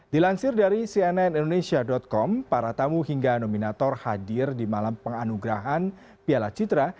dilansir dari cnn indonesia com para tamu hingga nominator hadir di malam penganugerahan piala citra